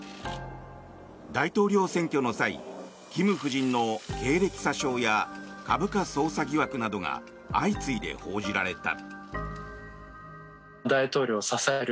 大統領選挙の際キム夫人の経歴詐称や株価操作疑惑などが相次いで報じられた。